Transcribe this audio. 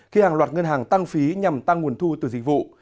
khi hàng loạt ngân hàng tăng phí nhằm tăng nguồn thu từ dịch vụ